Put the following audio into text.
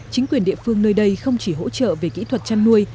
chính quyền địa phương nơi đây không chỉ hỗ trợ về kỹ thuật chăn nuôi